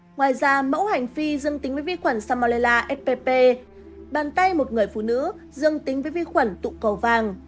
ngoài ra mẫu hành phi dương tính với vi khuẩn salmonella fpp bàn tay một người phụ nữ dương tính với vi khuẩn tụ cầu vàng